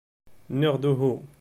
Nniɣ-d uhu.